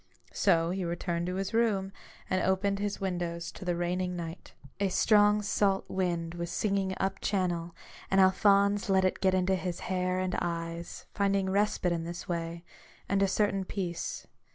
So he returned to his room, and opened his windows to the raining night. A strong salt wind was singing up channel ; and Alphonse let it get into his hair and eyes, finding respite in this way, and a certain peace.